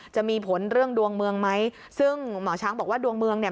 จะมีผลเรื่องดวงเมืองไหมซึ่งหมอช้างบอกว่าดวงเมืองเนี่ย